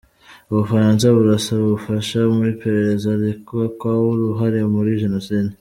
U Bufaransa burasaba ubufasha mu iperereza ry’ukekwaho uruhare muri Jenoside